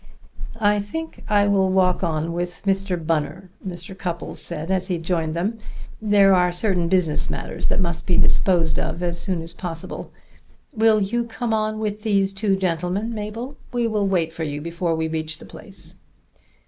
"I think I will walk on with Mr. Bunner," Mr. Cupples said as he joined them. "There are certain business matters that must be disposed of as soon as possible. Will you come on with these two gentlemen, Mabel? We will wait for you before we reach the place."